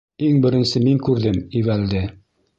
— Иң беренсе мин күрҙем Ивәлде.